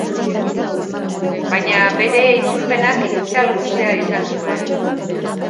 Baina bere itzulpenak itzal luzea izan zuen.